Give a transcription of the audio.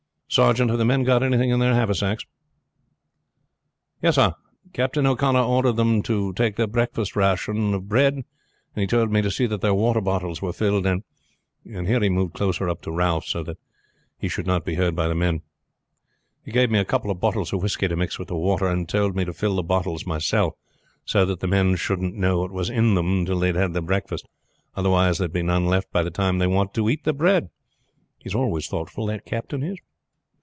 Sergeant, have the men got anything in their haversacks?" "Yes, sir. Captain O'Connor ordered them to take their breakfast ration of bread, and he told me to see that their water bottles were filled; and " (and here he moved closer up to Ralph, so that he should not be heard by the men) "he gave me a couple of bottles of whisky to mix with the water, and told me to fill the bottles myself, so that the men shouldn't know what was in them till they had their breakfast; otherwise there would be none left by the time they wanted to eat their bread. He is always thoughtful the captain is."